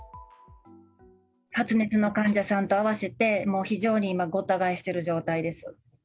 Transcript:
発熱の患者さんと合わせて、もう非常に今、ごった返している状態です。